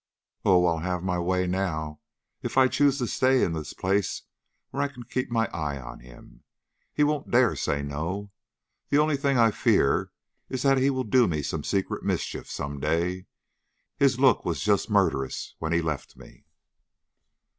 Oh, I'll have my way now, and if I choose to stay in this place where I can keep my eye on him, he won't dare to say No. The only thing I fear is that he will do me a secret mischief some day. His look was just murderous when he left me."